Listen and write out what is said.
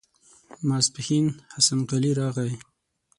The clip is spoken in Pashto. ماسپښين حسن قلي راغی.